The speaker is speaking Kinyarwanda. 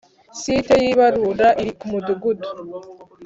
Site y,ibarura iri kumudugudu